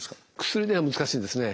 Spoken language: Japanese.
薬では難しいですね。